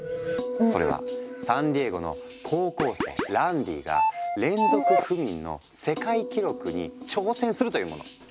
それはサンディエゴの高校生ランディが連続不眠の世界記録に挑戦するというもの。